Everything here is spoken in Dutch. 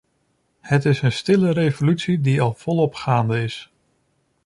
Het is een stille revolutie die al volop gaande is.